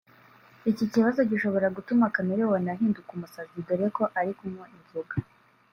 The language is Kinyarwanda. Iki kibazo gishobora gutuma Chameleone ahinduka umusazi dore ko ari kunywa inzoga